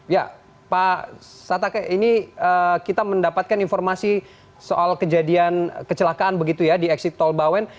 ya pak satake ini kita mendapatkan informasi soal kejadian kecelakaan begitu ya di eksit tol bawen